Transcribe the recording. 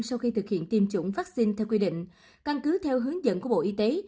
sau khi thực hiện tiêm chủng vaccine theo quy định căn cứ theo hướng dẫn của bộ y tế